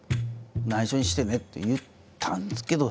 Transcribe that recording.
「ないしょにしてね」って言ったんですけど。